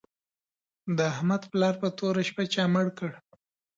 د احمد پلار په توره شپه چا مړ کړ